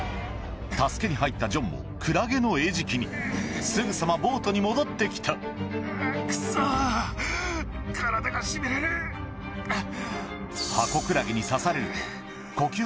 助けに入ったジョンもクラゲの餌食にすぐさまボートに戻って来た早くもえっ。